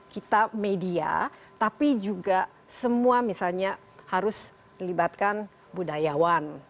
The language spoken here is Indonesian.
kita media tapi juga semua misalnya harus melibatkan budayawan